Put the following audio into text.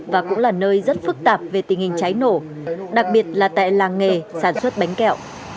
và cũng là nơi rất phức tạp về tình hình cháy nổ đặc biệt là tại làng nghề sản xuất bánh kẹo